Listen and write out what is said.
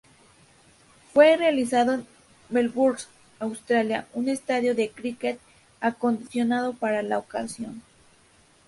Fue realizado en Melbourne, Australia, en un estadio de cricket acondicionado para la ocasión.